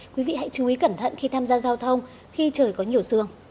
quý vị hãy chú ý cẩn thận khi tham gia giao thông khi trời có nhiều sương